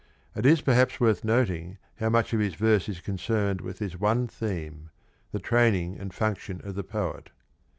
It is perhaps worth noting how much of his verse is concerned with this one theme — the training and function of the poet.